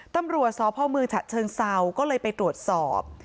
ตำรวจสพเมืองฉะเชิงเซาก็เลยไปตรวจสอบ